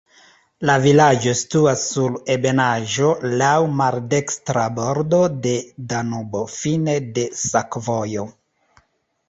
La vilaĝo situas sur ebenaĵo, laŭ maldekstra bordo de Danubo, fine de sakovojo.